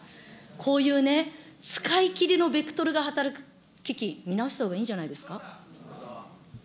こういうね、使い切りのベクトルが働く基金、見直したほうがいいんじゃないですか。